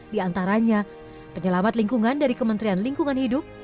diantaranya penyelamat lingkungan dari kementerian lingkungan hidup